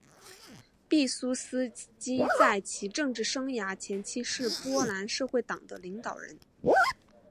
毕苏斯基在其政治生涯前期是波兰社会党的领导人。